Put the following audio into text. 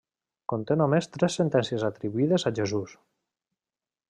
Conté només tres sentències atribuïdes a Jesús.